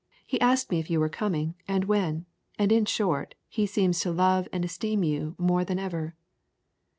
He asked me if you were coming, and when, and in short, he seems to love and esteem you more than ever."